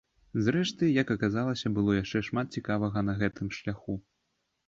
Зрэшты, як аказалася, было яшчэ шмат цікавага на гэтым шляху.